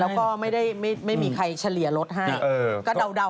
แล้วก็ไม่มีใครเฉลี่ยรถให้ก็เดาเอา